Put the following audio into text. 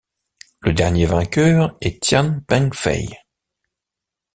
Le dernier vainqueur est Tian Pengfei.